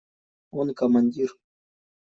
Он командир.